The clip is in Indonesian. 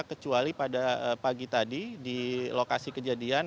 kecuali pada pagi tadi di lokasi kejadian